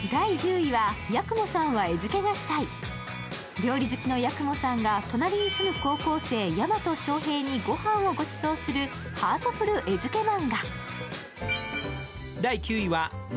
料理好きの八雲さんが隣に住む高校生、大和翔平に御飯をごちそうするハートフル餌づけマンガ。